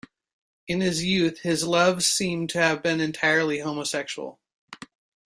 In his youth his loves seem to have been entirely homosexual.